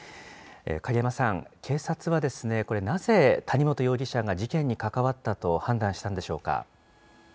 影山さん、警察はこれ、なぜ谷本容疑者が事件に関わったと判断したんでしょうか。